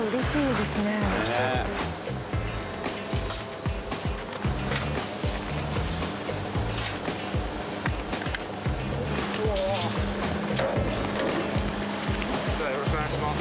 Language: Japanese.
ではよろしくお願いします。